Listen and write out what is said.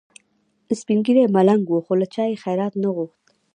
سپین ږیری ملنګ و خو له چا یې خیرات نه غوښت.